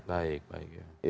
baik baik ya